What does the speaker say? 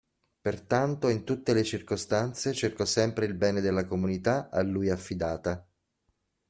Pertanto in tutte le circostanze cercò sempre il bene della comunità a lui affidata.